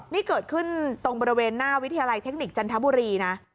นี่เกิดขึ้นตรงบริเวณหน้าวิทยาลัยเทคนิคจันทบุรีนะ